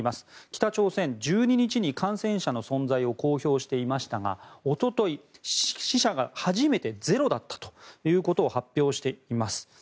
北朝鮮、１２日に感染者の存在を公表していましたがおととい、死者が初めてゼロだったということを発表しています。